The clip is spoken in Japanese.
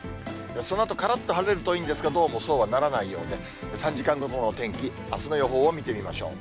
そのあと、からっと晴れるといいんですが、どうもそうはならないようで、３時間ごとのお天気、あすの予報を見てみましょう。